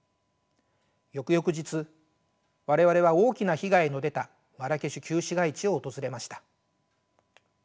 翌々日我々は大きな被害の出たマラケシュ旧市街地を訪れました。